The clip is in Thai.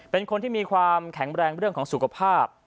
เป็นคนที่มีความแข็งแรงเรื่องของสุขภาพ